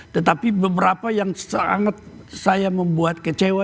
tetapi beberapa yang sangat saya membuat kecewa